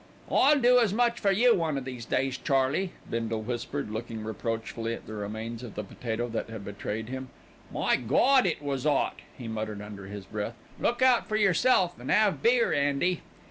"I'll do as much for you one o' these days, Charley," Bindle whispered, looking reproachfully at the remains of the potato that had betrayed him. "My Gawd! It was 'ot," he muttered under his breath. "Look out for yourself an' 'ave beer 'andy."